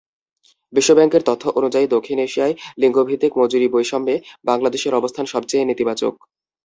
বিশ্বব্যাংকের তথ্য অনুযায়ী, দক্ষিণ এশিয়ায় লিঙ্গভিত্তিক মজুরিবৈষম্যে বাংলাদেশের অবস্থান সবচেয়ে নেতিবাচক।